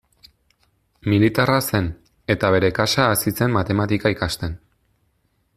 Militarra zen, eta bere kasa hasi zen Matematika ikasten.